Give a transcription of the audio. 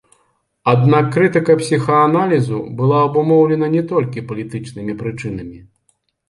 Аднак крытыка псіхааналізу была абумоўлена не толькі палітычнымі прычынамі.